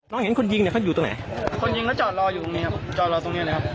นั่งคล่อมเหมือนกับรอใครแบบเนี่ยอยู่หลายชั่วโมงแล้วนะครับ